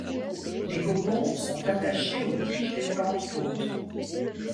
Les cocons sont attachés aux tiges des plantes-hôtes.